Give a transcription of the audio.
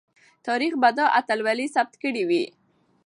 تاریخ به دا اتلولي ثبت کړې وي.